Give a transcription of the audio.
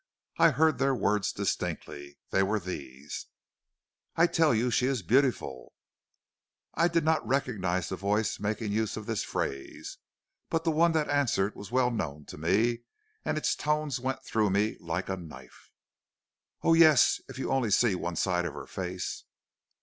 I heard their words distinctly. They were these: "'I tell you she is beautiful.' "I did not recognize the voice making use of this phrase, but the one that answered was well known to me, and its tones went through me like a knife. "'Oh, yes, if you only see one side of her face.'